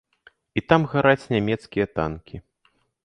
І там гараць нямецкія танкі.